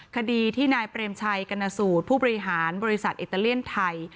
คดีที่นายเปรมชัยกรณสูตรผู้บริหารบริษัทอิตาเลียนไทย